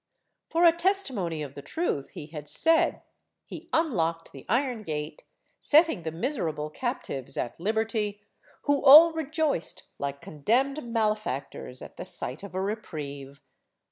For a testimony of the truth he had said, he unlocked the iron gate, setting the miserable captives at liberty, who all rejoiced like condemned malefactors at the sight of a reprieve.